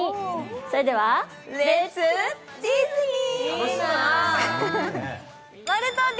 それではレッツ・ディズニー！